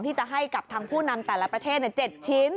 ที่จะให้กับทางผู้นำแต่ละประเทศ๗ชิ้น